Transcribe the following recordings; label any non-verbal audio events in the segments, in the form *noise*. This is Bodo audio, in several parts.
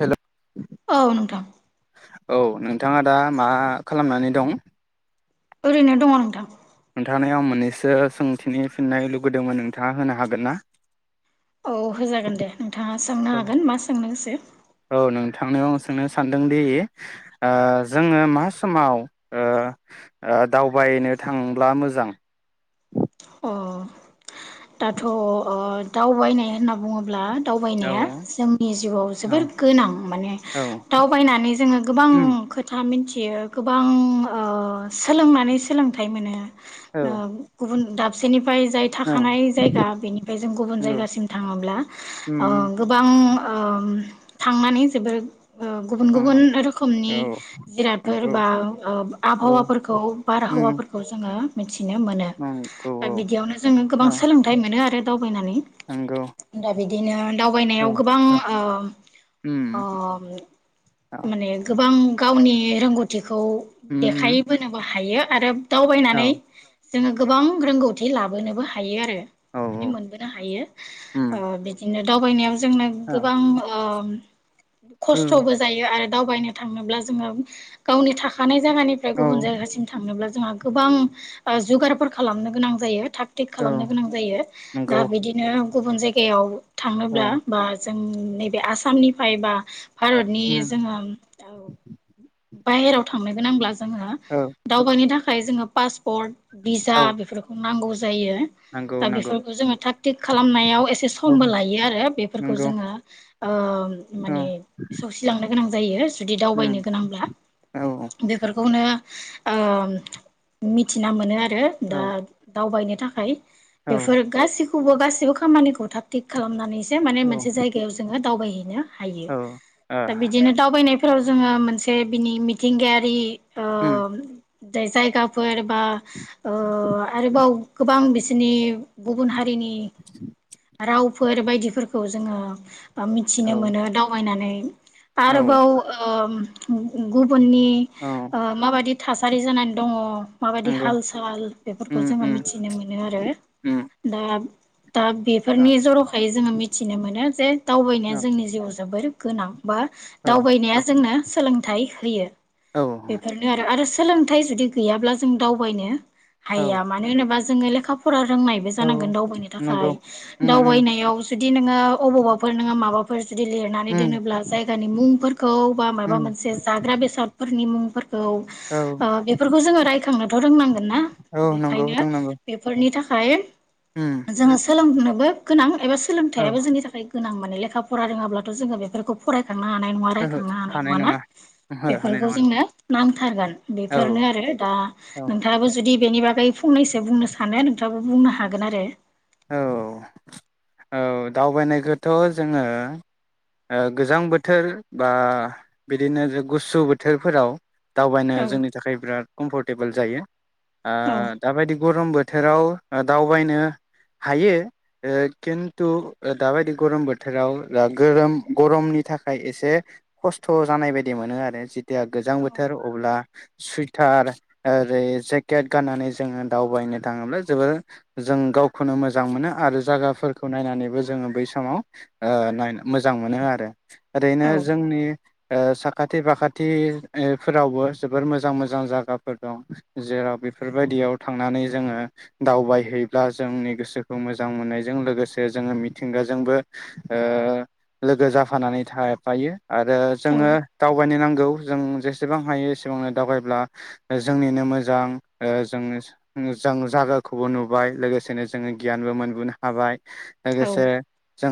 हेल' औ नोंथां। औ नोंथांङा दा मा खालामनानै दं? ओरैनो दङ नोंथां। नोंथांनिआव मोननैसो सोंथिनि फिननाय लुुगैदोंमोन नोंथांङा होनो हागोन ना? औ होजागोन दे नोंथांङा सोंनो हागोन मा सोंनो गोसो औ नोंथांनिआव आं सोंनो सानदोंदि ओ जोंङो मा समाव ओ ओ दावबायनो थांब्ला मोजां? अ दाथ ओ दावबायनाय होनना बुङोब्ला। औ दावबायनाया जोंनि जिउआव औ जोबोर गोनां माने औ दावबायनानै जोंङो गोबां उम खोथा मिथि बियो गोबां ओ सोलोंनानै सोलोंथाइ मोनो। औ ओ गुबुन। दाब। सेनिब जाय जाय औ थाखानाय जायगा बेनिफाय जों गुबुन नंगौ जायगासिम थांङोब्ला उम अ उम गोबां। औ थांनानै जोबोर। ओ गुबुन गुबुन थांनानै रोखोमनि औ जिरादफोर नंगौ बाव ओब औ आबावाफोरखौ बारहावाफोरखौ जोंङो। ओम गौब। बिदियावनो जोंङो गोबां सोलोंथाइ मोनो आरो। फैनानै नंगौ दा बिद दिनो। औ दावबायनायाव गोबां ओ ओ उम औ माने गोबां। गावनि रोंगौथिख खौ उम उम देखाय बोनोबा हायो आरो औ दावबायनानै। जोङो गोबां रोंगौ थि लाबोनोबो हायो आरो। औ माने मोनबोनो हायो उम ओ बिदिनो दावबायनायाव जो जोंनो औ गोबां ओ खस्थबो जायो आर दावबायनो थाङोब्ला जोङो गावनि थाखानाय। जागानिफ्राय औ गुबुन जायगासिम थांनोब्ला जोंहा गो गोबां ओ जुगारफोर खालामनो गोनां। जायो। थाग थिग औ खालामनो गोनां जायो नंगौ दा बिदिनो गुबुन जायगायाव। औ थाङोब्ला बाज जों नैबे आसामनिफाय बा भारतनि उम जोंहाम औ बाहेराव थांनो गोनांब्लाज जोंहा औ दावबायनो थाख खाय जोङो पासपर्ट बिजजा औ बेफोरख नांगौज जायो नंगौ दा नंगौ बेफोरखौ जोङो था थिग खालामनायाव एस से औ समबो लायो आरो बेफोरखौ नंगौ जोङो ओम औ माने सौसिलांनो गोनां जायोज जुदि दावबायनो उम गोनांब्ला औ बेफोरखौनो ओम मिथिना मोनो आर *unintelligible* औ दाद दावबायनो थाखाय औ बेफोर गासिख खौबो गासिबो खामानिखौ थाग थिग खालामनानैस सो माने मोनसे जायगायाव जोङो दावबायहैनो हायो औ ओ दा बिदिनो दावबायनाय फोराव जोङो मोनसे बिनि मिथिंगायारि औ उम दाय जायगाफोर बा ओ आरोबाव गोबां बिसोरनि गुबुन हारिनि राव फोर बायदिफोरखौ जोङो बा औ मिथिनो मोनो दावबायनानै औ आरो बाव ओ उम गुब बुननि औ ओ माबादि? थासारि जानानै दङ। माबायदि नंगौ हाल साल बेफोर खौ उम जोङो उम मिथिनो मोनो आरो उम दा दा औ बेफोरनि जर'खायै जोङो मिथिनो मोनो जे औ दावबायनाया जोंनि जिउआव जोबोर गोनां बा औ दावबायनाया जोंनो सोलोंथाइ होयो। औ बेफोरनो आरो आरो सो सोलोंथाइ जुदि गैयाब्ला जों दावबायनो औ हया मानो होनोबा जोङो लेखा फरा रोंनायबो औ जानांगोन दावबायनो नंगौ थाखाय उम उम दावबायनायाव जुदि नोङो अबावबाफोर नोङो माबा जुदि लिरनानै उम दोनोब्ला जायगानि मुंफोरखौ खौ बा माबा उम मोनसे जाग्रा बेसादफोरखौ नि मुंफोर खौ औ बेफोरखौ जोङो रायखांनोथ' रोंनांगोन ना। औ नंगौ बेखायनो रोंनांगौ बेफोरनि थाखा खाय उम जोङो सोलोंनो बो गोनां एबा सो औ सोलोंथाइयाबो जोंनि थाखाय गोनां माने लेखा फरा रोङाब्लाथ' जोङो बेफोरखौ फराय खांनो हानाय नङा रायखांनो हानाय नङा ना ओहो हानाय बेफोरखौ नङा नोंथां जोंनो नांथारगोन औ बेफोरनो आरो औ नोंथाङाबो जुदि बेनि बागै फंनैसो बुंनो सानो आरो नोंथाङाबो बुंनो हागोन आरो। औ औ दावबायनायखौथ' जोङो ओ गोजां बोथोर बा बिदिनो गुसु बोथोरफोराव दावबायनाया औ जोंनि थाखाय बिराद कमफरटेबोल जायो। ओ औ दाबायदि गरम बोथोराव दावबायनो हायो ओ खिन्थु दाबायदि गरम बोथोराव गरोम गरमनि थाखाय एसे खस्थ' जानाय बायदि मोनो आरो जिथिया गोजां औ बोथोर अब्ला सुइटार ओरै जेकेट गाननानै जोङो दावबायनो थाङोब्ला जबोर जों गावखौ खौनो मोजां मोनो आरो जागाफोरखौ नायनानैबो जोङो बै समाव ओ नाय मोजां मोनो आरो। ओरैनो जोंनि ओ साखाथि फाखाथि फोरावबो जोबोर मोजां मोजां जागाफोर दं जेराव बेफोरबायदियाव थांनानै जोङो दावबायहैब्ला जोंनि गोसोखौ मोजां मोननायजों लोगोसे जोङो मिथिंगाजोंबो ओ लोगो जाफानानै थाफायो आरो जोङो दावबायनो नांगौ जों जेसेबां हायो एसेबांनो दावगायोब्ला जोंनिनो मोजां जों जों जागाखौबो नुबाय लोगोसे बिसेनो जोङो गियानबो मोनबोनो हाबाय औ लोगोसे जों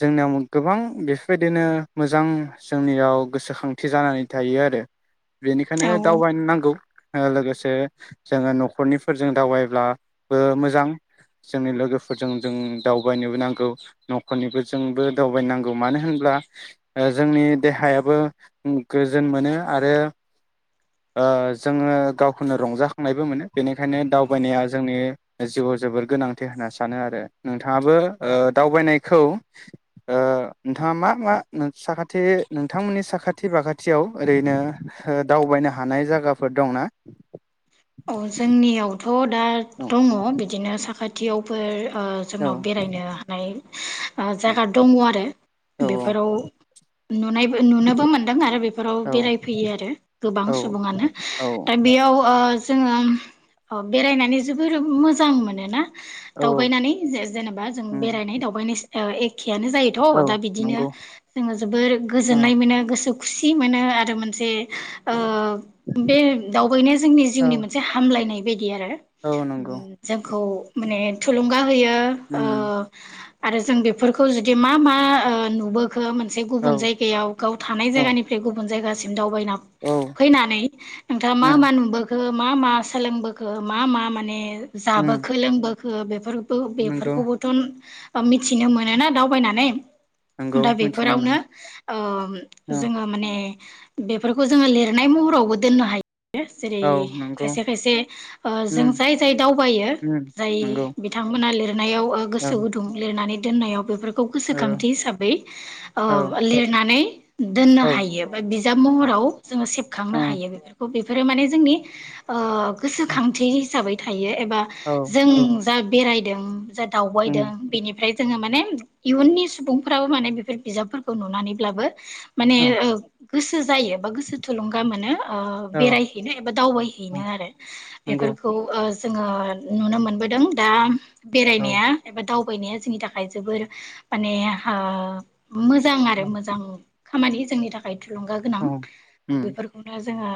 जोंनियाव गोबां बेफोरबायदिनो मोजां जोंनियाव गोसोखांथि जानानै थायो आरो बेनिखायनो औ दावबाय नांगौ ओ लोगोसे जोङो न'खरनिफोरजों दावबायब्ला ब मोजां जोंनि लोगोफोरजों जों दावबायनोबो नांगौ न'खरनिफोरजोंबो दावबाय नांगौ मानो होनब्ला जोंनि देहायाबो गोजोन मोनो आरो जोङो गावखौनो रंजाखांनायबो मोनो बेनिखायनो दावबायनाया जोंनि जिउआव जोबोर गोनांथि होनना सानो आरो नोंथाङाबो ओ दावबायनायखौ ओ नोंथाङा मा मा साखाथि नोंथांमोननि साखाथि बाखाथियाव ओरैनो दावबायनो हानाय जायगाफोर दंना अ' दा औ दङ बिदिनो साखाथि थियावफोर ओ औ जोंनाव बेरायनो हानाय जायगा दङ आरो औ बेफोराव नुनायबो नुनोबो मोनदों आरो बेफोराव औ बेरायफैयो आरो गोबां औ सुबुङानो औ दा बेयाव ओ जोङो बेरायनानै जोबोर मोजां मोनोना औ दावबायनानै जेनेबा जों उम बेरायनाय दावबायनो नो जायोथ' औ दा बिदिनो नंगौ जोङो जोबोर औ गोजोन्नाय मोनो गोसोखौ खुसि मोनो आरो मोनसे बे जोंनि औ जिउनि मोनसे हामलायनाय बि आरो औ नंगौ जोंखौ माने थुलुंगा होयो ओ उम आरो जों बेफोरखौ जुदि मा मा ओ नुबो मोनसे गुब औ जाय गाव थानाय औ ज गुब ज *inaudible* सिम दाव औ फैनानै नोंथाङा मा उम मा *unintelligible* ओ मा मा सोलोंबोखो मा मा माने उम जाबोखो लोंबो ओ बेफोर ओ नंगौ बेफोरखौबोथ' बा मिथिनो मोनोना दावबायनानै नंगौ दा मिथिनो बेफोरावनो मोनो ओ औ जोङो माने बेफोरखौ जोङो लिरनाय महरावबो दोननो हायो। जेरै औ नंगौ उम उम नंगौ लिरनायाव ओ औ गोसो गुदुं लिरनानै दोननायाव बेफोर खौ औ गोसोखांथि हिसाबै ओ औ लिरनानै दोननो औ हायो बा बिजाब औ महराव जोङो सेबखांनो हायो बेफोरखौ बे फोरो माने जोंनि ओ गोसोखांथि हिसाबै थायो एबा औ जों जा बेरायदों जा दावबायदों उम बेनिफ्राय जोङो माने इयुननि सुबुंफ्राबो माने बेफोर बिजाबफोरखौ नुनानैब्लाबो माने औ ओ गोसो जायो बा गोसो थुलुंगा मोनो ओ औ बेराइ एबा दावबाय हैैनो आरो नंगौ बेफोरखौ ओ जोङो नुनो मोनबोदों दा बेरायनाया एबा दाव बायनाया जोंनि थाखाय जोबोर माने *unintelligible* मोजां आरो औ मोजां खामानि जोंनि थाखाय थुलुंगा गोनां औ उम बेफोरखौनो जोंहा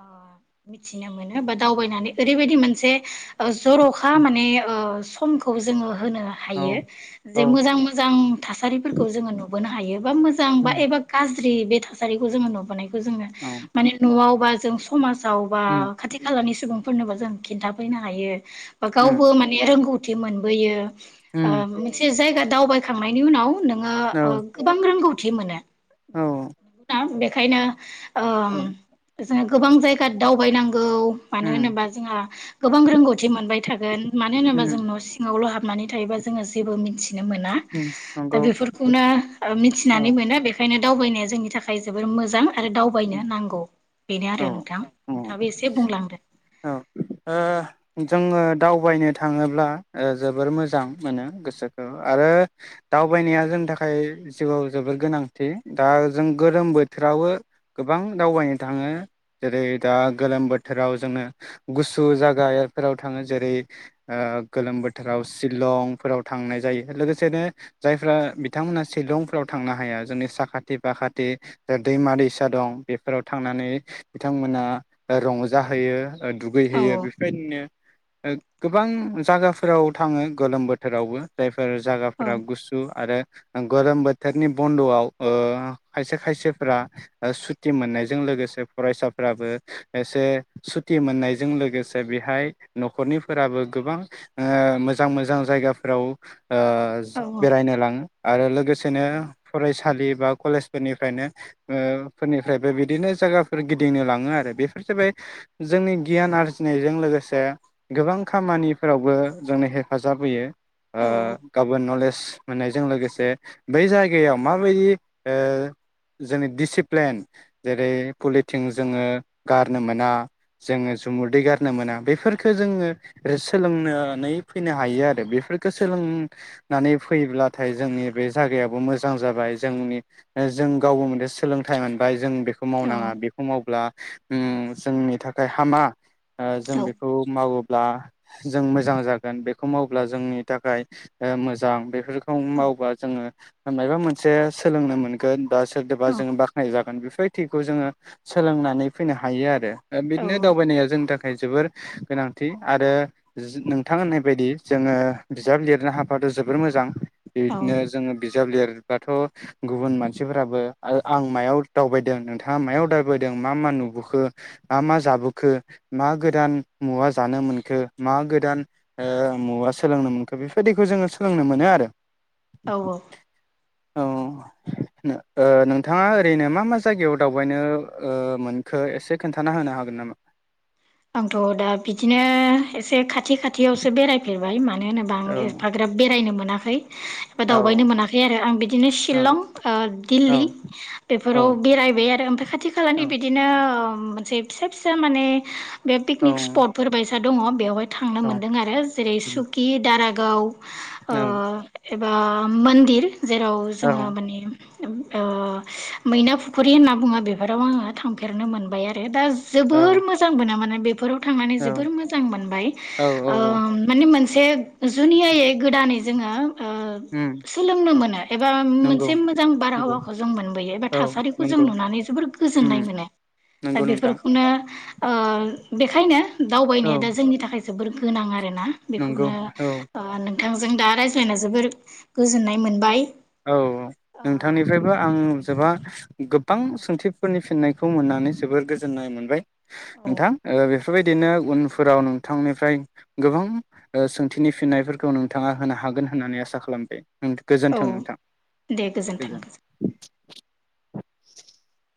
अ मिथिनो मोनो बा दावबायनानै ओरैबायदि मोनसे ज'रखा माने ओ समखौ जोङो होनो औ हायो औ जे मोजां मोजां थासारिफोरखौ जोङो नुबोनो हा हायो। बा मोजां बा उम एबा गाज ज्रि बे थासारिखौ जोङो नुबोनाय जोंनो औ मानि न'आवबा जों समाज जावबा उम खाथि खालानि सुबुंफोरनोबो जों खिन्थाफैनो हायो। उम गावबो माने रोंगौ थि मोनबोयो। आ उम मोनसे जायगा दावबायखांनायनि उनाव नोङो ओ औ गोबां रोंगौ थि मोनो। औ। बेखायनो औ। जोंनो गोबां जायगा दावबायनां गौ मानो उम होनोबा जोंहा गोबां रोंगौथि मोनबाय थागोन मानो होनोबा जों उम न' सिङावल' हाब नानै थायोबा जोङो जेबो मिनथि नो मोना उम दा नंगौ बेफोरखौनो औ मिथिनानै मोनो बेखायनो दावबायनाया जोंनि थाखाय जोबोर मोजां। आरो दावबायनो नांगौ। बेनो आरो औ नोंथां औ नोंथाङाबो एसे बुंलांदो। ङो दावबायनो थाङोब्ला ओ जोबोर मोजां मोनो गोसोखौ आरो दावबायनाया जोंनि थाखाय जिउआव जोबोर गोनांथि दा जों गोरोम बोथोराववो गोबां दावबायनो थाङो जेरै दा गोलोम बोथोराव जोंनो गुसु जागाफोराव थाङो जेरै गोलोम बोथोराव शिलंफोराव थांनाय जायो लोगोसेनो जायफ्रा बिथांमोना शिलंफोराव थांनो हाया जोंनि साखाथि फाखाथि दैमा दैस सा दं बेफोराव थांनानै बिथांमोना ओ रंजाहैयो। औ दुगैहैयो बेफोरबायदिनो ओ गोबां जागाफोराव थाङो गोलोम बोथोरावबो जायफो फोर औ जागाफोरा गुसु आरो गोरम बोथोरनि बनदआव ओ खायसे खायसेफ्रा सुटि मोननायजों लोगोसे फरायसाफोराबो एसे सुटि मोननायजों लोगोसे बेहाय नखरनिफोराबो ओ गोबां मोजां मोजां जायगाफोराव ओ औ बेरायनो लांङो। आरो लोगो सेनो फरायसालि बा कलेजफोरनिफ्रायनो ओ फोरनिफ्रायबो बिदिनो जायगाफोर गिदिंनो लांङो आरो बेफोर जाबाय जोंनि गियान आरजिनायजों लोगोसे गोबां खामानिफोरावबो जोंनो हेफाजाब होयो। ओ औ गाबोन नलेज मोननायजों लोगोसे बै जायगायाव माबायदि ओ‌ जोंनि दिसिप प्लेन जेरै पलिटिं जोंंङो गारनो मोना जोंङो जुमुरदै गारनो मोना बेफोरफोरखौ जोंङो सोलोंनानै फैनो हायो आरो बेफोरफोरखो सोलोंनानै फैब्लाथाय जोंनि बे जायगायाबो मोजां जाबाय जोंनि जों गावबो मोनसे सोलों सोलोंथाय मोनबाय जों बेखौ औ मावनांङा बेखौ मावब्ला उम। जोंनि थाखाय हामा ओ जों औ बेखौ मावो ब्ला जों मोजां जागोन बेखौ मावब्ला जोंनि थाखाय ओ मोजां बेफोर मावबा जोंङो माबा मोनसे सोलोंनो मोनगोन ओ सोरदोबा जों बा कनजुस बायदिखौ जोंङो सोलोंनानै फैनो हायो आरो ओ औ बिदिनो दावबायनाया जोंनि थाखाय जोबोर गोनांथि आरो नोंथां होननाय बायदि जोंङो बिजाब लिरनो हफाथ' जोबोर मोजां बिदिनो जोंङो बिजाब लिरबाथ गुबुन मानसिफोराबो आरो आं मायाव दावबायदों नोंथांङा मायाव दावबायदों मा मा नुबोखो मामा जाबोखो मा गोदान मुवा जानो मोनखो मा गोदान मुवा ओ सोलोंनो मोनखो बेबायदिखौ जोंङो सोलोंनो मोनो आरो औ औ औ ओ नोंथां नोंथांङा ओरैनो मा मा जायगायाव दावबायनो मोनखो एसे खोन्थाना होनो हागोन नामा आंथ दा बिदिनो एसे खाथि खाथियावसो बेरायफेरबाय मा मानो होनोबा आं औ एफाग्राब बेरायनो मोन मोनाखै एबा औ दावबायनो मोनाखै आरो आं बिदिनो ओ‌ औ शिलं दिल्ली औ बेफोराव बेरायबाय आरो ओमफ्राय खाथि औ खालानि बिदिनो मोनसे फिसा फिसा माने बे औ पिकनिक स्पटफोर बायसा दंङ बेवहाय थांनो औ मोनदों आरो जेरै सुकि दाराग गाव ओ औ एबा मोन्दिर जेराव जोङो माने ओ मैना फुखुरि होनना बुङो बेफोराव आङो थांफेरनो मोनबाय आरो दा जोबोर मोजां मोनो माने बेफोराव थांनानै औ जोबोत मोजां मोनबाय औ ओ औ माने मोन से जुनियायै गोदानै जोंहा ओ उम सोलोंनो मोनो एबा नंगौ मोनसे मोजां नंगौ बारहावाखौ जों मोनबोयो एबा औ थासारिखौ जों नंगौ नुनानै जोबोर उम गोजोननाय मोनो दा नंगौ नोंथां बेफोरखौनो ओ बेखायनो औ दावबायनाया दा जोंनि थाखाय जोबोर गोनांआ रोना नंगौ बेखौनो औ ओ नों थांजों दा रायज्लायना जोबोर गोजोननाय मोनबाय। औ औ नोंथांनिफ्रायबो आं जोबा गोबां सोंथिफोरनि फिन्नायखौ मोननानै जोबोर गोजोननाय मोनबाय। औ नोंथां ओ बे फोरबायदिनो उनफोराव नोंथांनिफ्राय गोबां ओ सोंथिनि फिननायफोरखौ नोंथाङा होनो हागोन होननानै आसा खालामबाय। औ गोजोन्थों दे गोजोन गोजोनथों *inaudible*